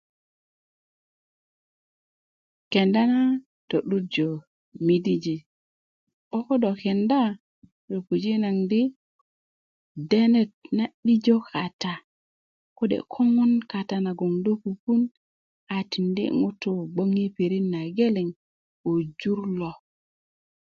kenda na to'durjö midiji 'böŋ ko do kenda do puji naŋ di denet na 'bijö kata kode' koŋon kata naŋ do pupuun a tindi ŋutu yi gboŋ yi pirit na geleŋ ko jur lo